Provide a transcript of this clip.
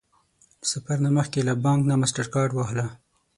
د سفر نه مخکې له بانک نه ماسټرکارډ واخله